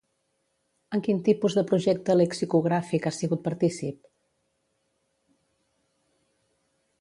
En quin tipus de projecte lexicogràfic ha sigut partícip?